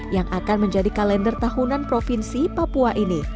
yang akan menjadi kalender tahunan provinsi papua ini